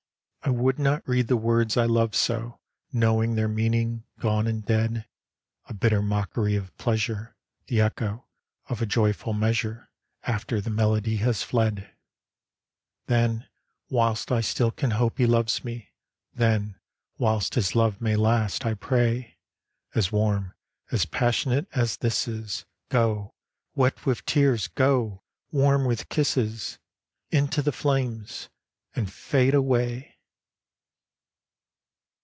Burning L etters. 6 1 '"S I would not read the words I loved so, Knowing their meaning gone and dead, A bitter mockery of Pleasure, The echo of a joyful measure After the melody had fled ! Then, whilst I still can hope He loves me, Then, whilst His love may last, I pray. As warm, as passionate, as this is, Go ! wet with tears, go ! warm with kisses. Into the flames, and fade away